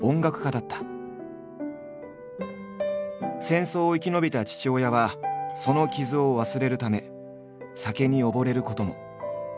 戦争を生き延びた父親はその傷を忘れるため酒に溺れることも。